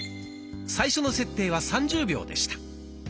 最初の設定は３０秒でした。